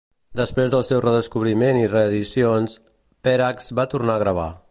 Després del seu redescobriment i reedicions, Perhacs va tornar a gravar.